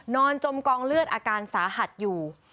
จมกองเลือดอาการสาหัสอยู่